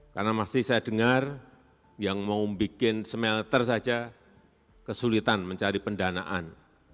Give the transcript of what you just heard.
karena masih saya dengar yang mau bikin smelter saja kesulitan mencari pendanaan